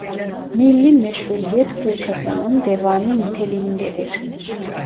Milli Meşrutiyet Fırkası'nın devamı niteliğindedir.